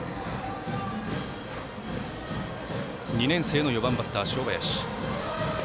２年生の４番バッター、正林。